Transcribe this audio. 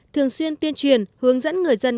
thường xuyên tuyên truyền hướng dẫn người dân